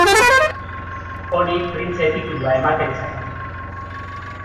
Honi printze titulua ematen zaio.